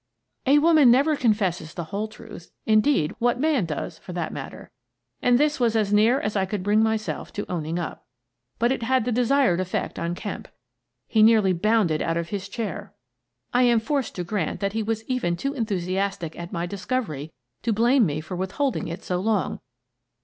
A woman never confesses the whole truth — in deed, what man does, for that matter? — and this was as near as I could bring myself to owning up. But it had the desired effect on Kemp. He nearly bounded out of his chair. I am forced to grant that he was even too enthusiastic at my discovery to blame me for withholding it so long.